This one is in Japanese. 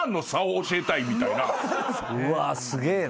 うわすげえな。